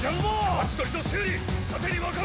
「舵取りと修理二手に分かれろ」